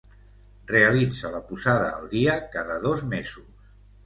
Realitza la posada al dia cada dos mesos.